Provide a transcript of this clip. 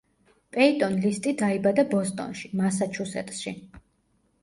პეიტონ ლისტი დაიბადა ბოსტონში, მასაჩუსეტში.